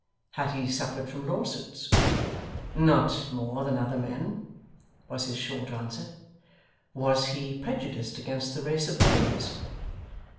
Had he suffered from law suits? 'Not more than other men,' was his short answer. Was he prejudiced against the race of lawyers?